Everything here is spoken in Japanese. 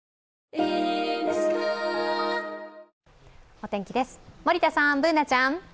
お天気です、森田さん、Ｂｏｏｎａちゃん。